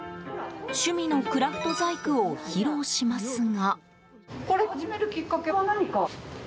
趣味のクラフト細工を披露しますが。